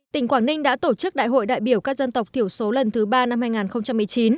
tỉnh quảng ninh đã tổ chức đại hội đại biểu các dân tộc thiểu số lần thứ ba năm hai nghìn một mươi chín